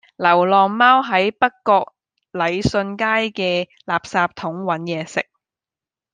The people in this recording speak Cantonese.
流浪貓喺北角禮信街嘅垃圾桶搵野食